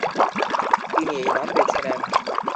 তিনি এই নাম বেছে নেন।